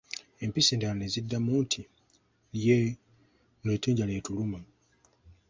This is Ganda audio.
Empisi endala ne ziddamu nti, yee, muleete enjala etuluma.